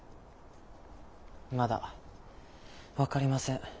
まだ分かりません。